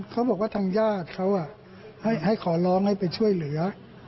เขาบอกว่าทางญาติเขาให้ขอร้องให้ไปช่วยเหลือ